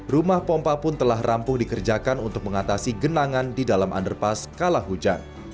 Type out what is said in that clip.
rumah pompa pun telah rampung dikerjakan untuk mengatasi genangan di dalam underpass kalah hujan